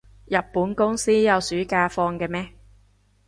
日本公司有暑假放嘅咩？